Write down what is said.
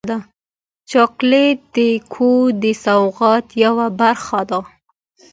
چاکلېټ د کور د سوغات یوه برخه ده.